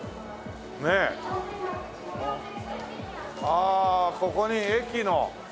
ああここに駅の。